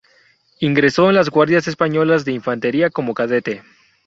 Ingresó en las Guardias Españolas de Infantería como cadete.